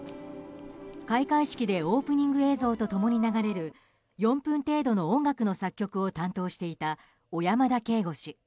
開会式でオープニング映像と共に流れる４分程度の音楽の作曲を担当していた小山田圭吾氏。